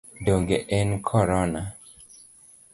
Donge en Korona?